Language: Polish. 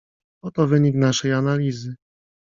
"Oto wynik naszej analizy."